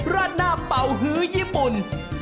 ราดหน้าเป่าฮื้อญี่ปุ่น